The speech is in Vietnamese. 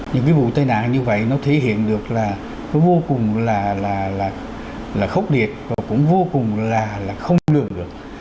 những cái vụ tai nạn như vậy nó thể hiện được là nó vô cùng là khốc liệt và cũng vô cùng là không lường được